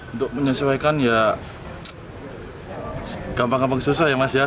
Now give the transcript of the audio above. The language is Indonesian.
untuk menyesuaikan ya gampang gampang susah ya mas ya